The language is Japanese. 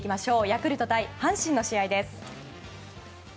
ヤクルト対阪神の試合です。